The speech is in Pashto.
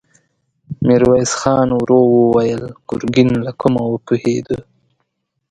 ميرويس خان ورو وويل: ګرګين له کومه وپوهېد؟